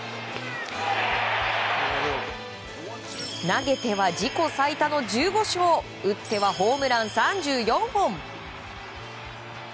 投げては自己最多の１５勝打ってはホームラン３４本。